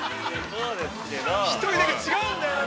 ◆一人だけ違うんだよな